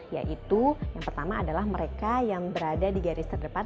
yaitu yang pertama adalah mereka yang berada di garis terdepan